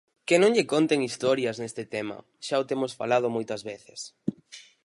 Que non lle conten historias neste tema, xa o temos falado moitas veces.